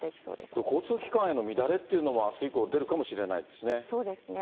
これ、交通機関の乱れというのは、あす以降、出るかもしれないですね。